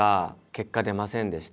結果出ませんでした。